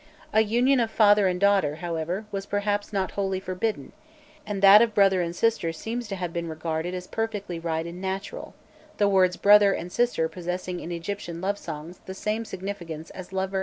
A union of father and daughter, however, was perhaps not wholly forbidden,[*] and that of brother and sister seems to have been regarded as perfectly right and natural; the words brother and sister possessing in Egyptian love songs the same significance as lover and mistress with us.